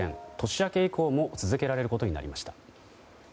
年明け以降も続けられることになりました。